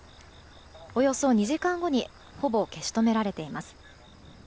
およそ２時間後にほぼ消し止められています。